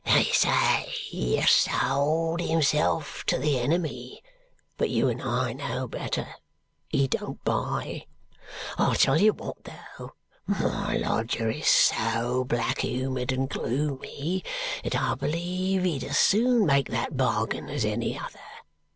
"They say he has sold himself to the enemy, but you and I know better he don't buy. I'll tell you what, though; my lodger is so black humoured and gloomy that I believe he'd as soon make that bargain as any other.